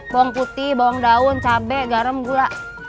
bawang putih bawang daun cabai garam gula